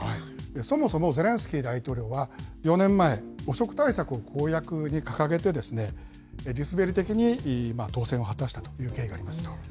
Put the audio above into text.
そもそもゼレンスキー大統領は、４年前、汚職対策を公約に掲げて、地滑り的に当選を果たしたという経緯があります。